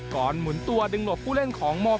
ก่อนหมุนตัวดึงหลบผู้เล่นของมอง